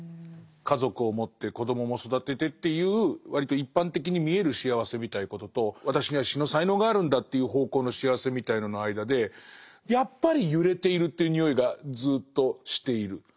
家族を持って子どもも育ててっていう割と一般的に見える幸せみたいなことと私には詩の才能があるんだっていう方向の幸せみたいのの間でやっぱり揺れているっていうにおいがずっとしている。